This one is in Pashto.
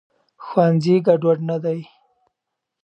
ښوونځي ګډوډ نه دی.